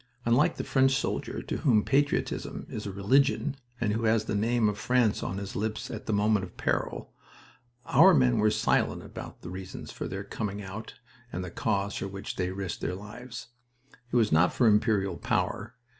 Unlike the French soldier, to whom patriotism is a religion and who has the name of France on his lips at the moment of peril, our men were silent about the reasons for their coming out and the cause for which they risked their lives. It was not for imperial power.